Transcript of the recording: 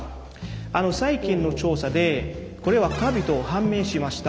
あの最近の調査でこれはカビと判明しました。